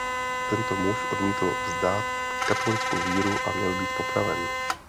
Tento muž odmítl vzdát katolickou víru a měl být popraven.